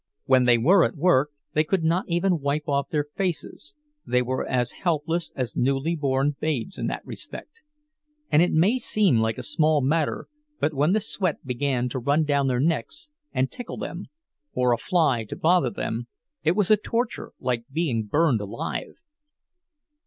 When they were at work they could not even wipe off their faces—they were as helpless as newly born babes in that respect; and it may seem like a small matter, but when the sweat began to run down their necks and tickle them, or a fly to bother them, it was a torture like being burned alive.